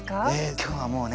今日はもうね